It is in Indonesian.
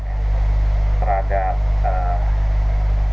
kemudian perangkat tersebut terjadi